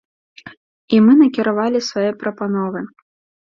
І мы накіравалі свае прапановы.